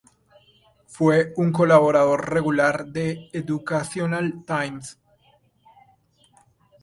Fue un colaborador regular de "Educational Times".